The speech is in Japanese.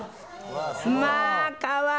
まあかわいい！